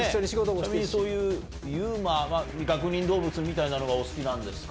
ちなみに、そういうＵＭＡは、未確認動物みたいなのがお好きなんですか。